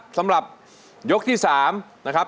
สำหรับยกที่๓นะครับ